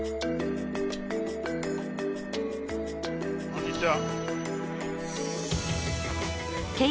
こんにちは。